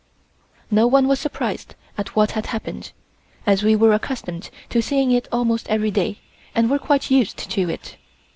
No one was surprised at what had happened, as we were accustomed to seeing it almost every day and were quite used to it.